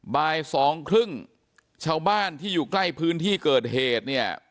บ่าย๒๓๐เช้าบ้านที่อยู่ใกล้พื้นที่เกิดเหตุ